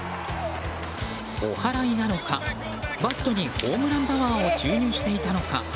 おはらいなのかバットにホームランパワーを注入していたのか